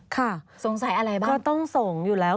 ค่ะสงสัยอะไรบ้างก็ต้องส่งอยู่แล้ว